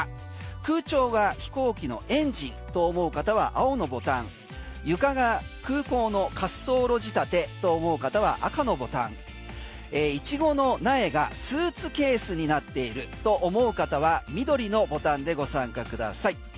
空調が飛行機のエンジンと思う方は青のボタン床が空港の滑走路仕立てと思う方は赤のボタンイチゴの苗がスーツケースになっているとわ！